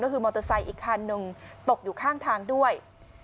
ก็คือมอเตอร์ไซค์อีกคันหนึ่งตกอยู่ข้างทางด้วย